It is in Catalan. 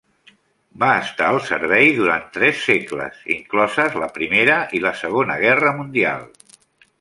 Va estar al servei durant tres segles, incloses la Primera i la Segona Guerra Mundial.